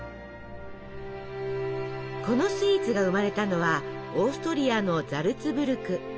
このスイーツが生まれたのはオーストリアのザルツブルク。